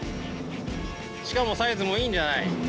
しかもサイズもいいんじゃない？